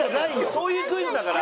そういうクイズだから。